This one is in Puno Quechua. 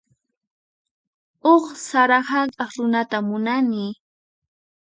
Huk sara hank'aq runata munani.